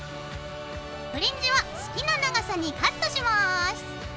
フリンジは好きな長さにカットします。